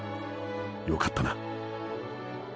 よかったな。？